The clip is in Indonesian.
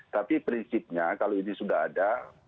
tapi prinsipnya kalau ini sudah ada